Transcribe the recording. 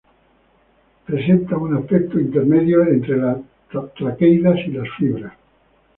Presentan un aspecto intermedio entre las traqueidas y las fibras.